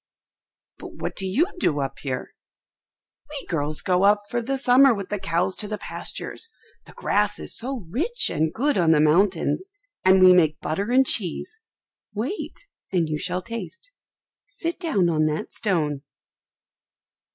"But what do you do up here?" "We girls go up for the summer with the cows to the pastures, the grass is so rich and good on the mountains, and we make butter and cheese. Wait, and you shall taste. Sit down on that stone."